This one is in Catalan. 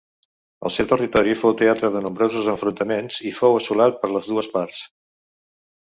El seu territori fou teatre de nombrosos enfrontaments i fou assolat per les dues parts.